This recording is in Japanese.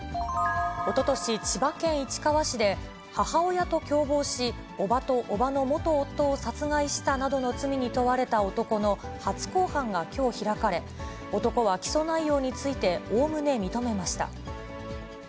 おととし、千葉県市川市で、母親と共謀し、伯母と伯母の元夫を殺害したなどの罪に問われた男の初公判がきょう開かれ、男は起訴内容について、おおむね認めました。